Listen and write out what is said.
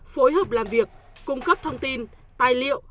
phối hợp làm việc cung cấp thông tin tài liệu